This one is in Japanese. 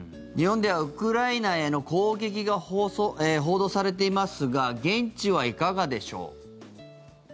日本ではウクライナへの攻撃が報道されていますが現地はいかがでしょう？